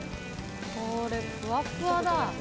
これふわっふわだ